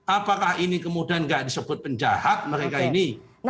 apakah ini kemudian tidak disebut penjahat mereka ini